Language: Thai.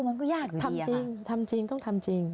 มันก็ยากอยู่ที่นี่ค่ะทำจริงต้องทำจริง